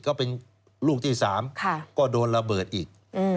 ก็เป็นลูกที่๓ก็โดนระเบิดอีก